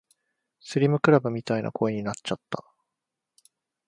スリムクラブみたいな声になっちゃった